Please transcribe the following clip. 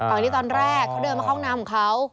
อันนี้ตอนแรกเขาเดินมาเข้าห้องน้ำของเขา